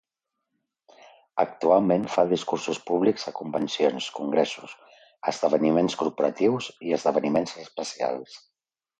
Actualment, fa discursos públics a convencions, congressos, esdeveniments corporatius i esdeveniments especials.